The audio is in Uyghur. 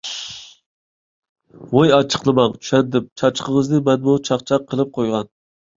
ۋوي ئاچچىقلىماڭ. چۈشەندىم چاقچىقىڭىزنى، مەنمۇ چاقچاق قىلىپ قويغان.